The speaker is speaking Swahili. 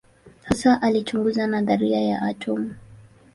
Hasa alichunguza nadharia ya atomu.